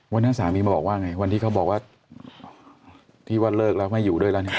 วันนั้นสามีมาบอกว่าไงวันที่เขาบอกว่าที่ว่าเลิกแล้วไม่อยู่ด้วยแล้วเนี่ย